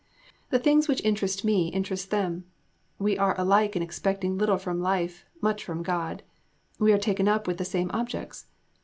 The things which interest me interest them; we are alike in expecting little from life, much from God; we are taken up with the same objects....